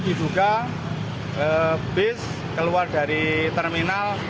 dibuka bis keluar dari terminal